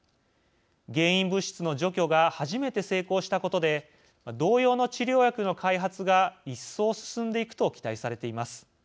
原因物質の除去が初めて成功したことで同様の治療薬の開発が一層進んでいくと期待されています。